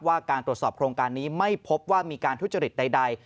การตรวจสอบโครงการนี้ไม่พบว่ามีการทุจริตใด